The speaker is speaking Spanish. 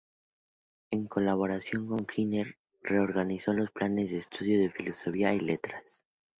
En colaboración con Giner reorganizó los planes de estudios de Filosofía y Letras.